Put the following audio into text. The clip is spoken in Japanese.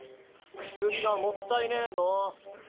薬がもったいねぇぞ。